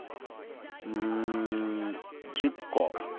うん１０個？